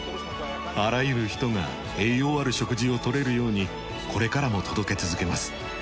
あらゆる人が栄養ある食事を取れるようにこれからも届け続けます。